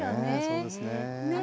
そうですか。